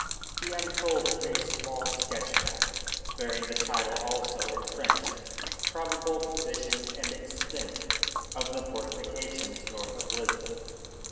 He unfolded a small sketch map, bearing the title also in French: Probable position and extent of the fortifications north of Lisbon.